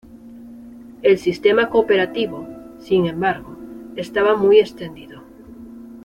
El sistema cooperativo, sin embargo, estaba muy extendido.